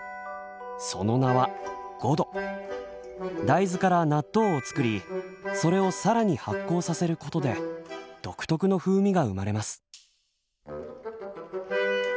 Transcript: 大豆から納豆を作りそれを更に発酵させることで独特の風味が生まれます。